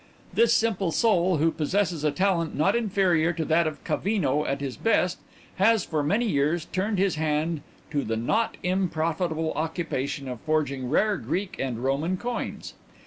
This simple soul, who possesses a talent not inferior to that of Cavino at his best, has for many years turned his hand to the not unprofitable occupation of forging rare Greek and Roman coins.